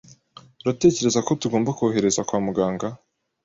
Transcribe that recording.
Uratekereza ko tugomba kohereza kwa muganga?